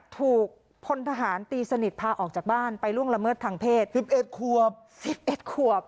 ถูกพลทหารตีสนิทพาออกจากบ้านไปล่วงละเมิดทางเพศสิบเอ็ดควบสิบเอ็ดควบ